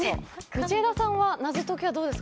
道枝さんはナゾ解きはどうですか？